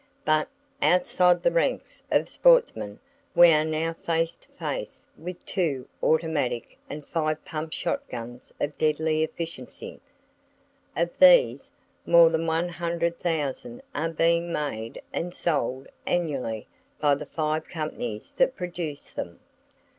But, outside the ranks of sportsmen, we are now face to face with two [Page 144] automatic and five "pump" shotguns of deadly efficiency. Of these, more than one hundred thousand are being made and sold annually by the five companies that produce them.